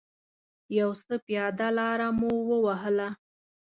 یو څه پیاده لاره مو و وهله.